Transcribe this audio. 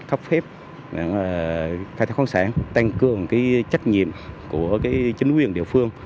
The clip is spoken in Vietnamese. khắp phép khai thác khoản sản tăng cường trách nhiệm của chính quyền địa phương